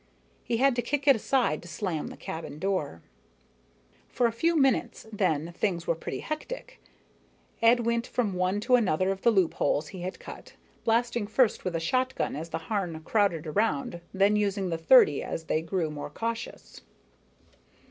He had to kick it aside to slam the cabin door. For a few minutes, then, things were pretty hectic. Ed went from one to another of the loopholes he had cut, blasting first with the shotgun as the Harn crowded around, then using the .30 as they grew more cautious.